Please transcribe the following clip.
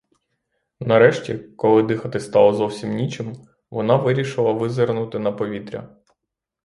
Нарешті, коли дихати стало зовсім нічим, вона вирішила визирнути на повітря.